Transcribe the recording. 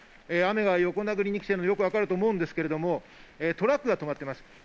雨が横殴りに来ているのがよくわかると思いますけど、トラックがとまっています。